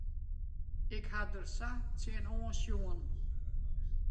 Ik ha der sa tsjinoan sjoen.